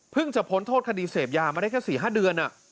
เพิ่งจะพ้นโทษคดีเสพยามาได้แค่สี่ห้าเดือน